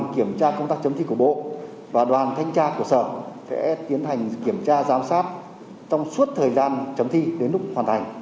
kiểm tra công tác chấm thi của bộ và đoàn thanh tra của sở sẽ tiến hành kiểm tra giám sát trong suốt thời gian chấm thi đến lúc hoàn thành